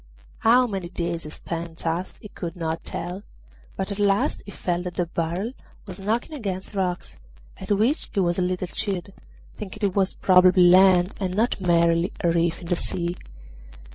How many days he spent thus he could not tell, but at last he felt that the barrel was knocking against rocks, at which he was a little cheered, thinking it was probably land and not merely a reef in the sea.